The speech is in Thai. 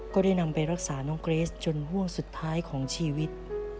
ก็ได้นำไปรักษาน้องเกรสจนห่วงสุดท้ายของชีวิต